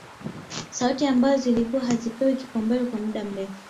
Sauti ambazo zilikuwa hazipewi kipaumbele kwa muda mrefu